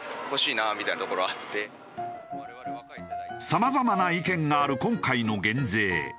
さまざまな意見がある今回の減税。